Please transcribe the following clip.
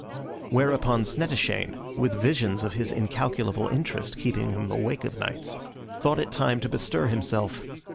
Whereupon Snettishane, with visions of his incalculable interest keeping him awake of nights, thought it time to bestir himself.